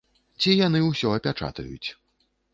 Ці яны ўсё апячатаюць.